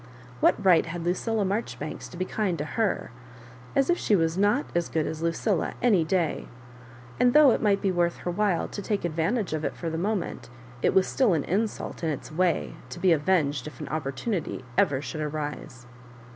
What right had Lucilla Maijoribanks to be kind to her ? as if she was * Digitized by VjOOQIC 33 MISS MABJOBIBANKS. not as good as Lucilla any dajl and though it might be worth her whUe to take advantage of it for the moment, it was still an insult^ in its way, to be avenged if an opportunity ever eJiould arise.